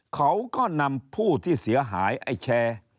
เขาก็นำผู้ที่เสียหายไอ้แชร์